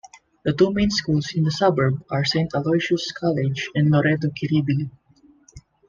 The two main schools in the suburb are Saint Aloysius' College and Loreto Kirribilli.